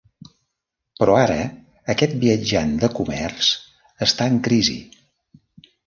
Però ara aquest viatjant de comerç està en crisi.